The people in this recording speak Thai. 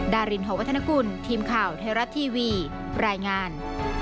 ดารินหอวัฒนกุลทีมข่าวไทยรัฐทีวีรายงาน